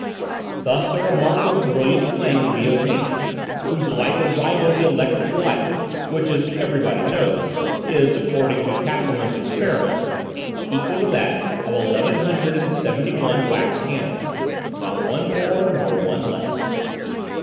Thus a remarkably brilliant flame would be obtained, whose light would rival the electric light, which, as everybody knows, is, according to Cassellmann's experiments, equal to that of eleven hundred and seventy one wax candles,—not one more, nor one less.